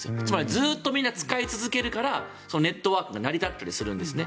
ずっとみんな使い続けるからネットワークが成り立ったりするんですね。